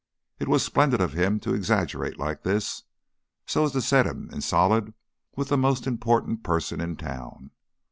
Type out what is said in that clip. It was splendid of him to exaggerate like this, so as to set him in solid with the most important person in town.